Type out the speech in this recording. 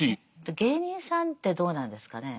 芸人さんってどうなんですかねえ。